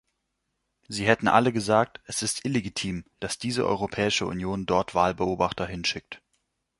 Sie hätten alle gesagt, es ist illegitim, dass diese Europäische Union dort Wahlbeobachter hinschickt.